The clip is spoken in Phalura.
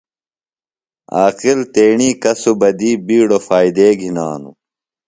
عاقل تیݨی کسُبہ دی بِیڈو فائدے گِھناُوۡ۔